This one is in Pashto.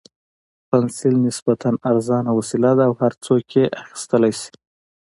پنسل نسبتاً ارزانه وسیله ده او هر څوک یې اخیستلای شي.